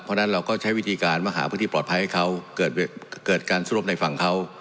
เพราะฉะนั้นเราก็ใช้วิธีการมาหาพื้นที่ปลอดภัยให้เขาเกิดการสู้รบในฝั่งเขา